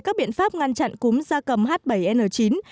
các biện pháp ngăn chặn cúm da cầm h bảy n chín